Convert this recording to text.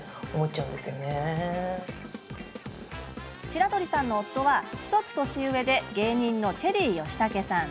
白鳥さんの夫は、１つ年上で芸人のチェリー吉武さん。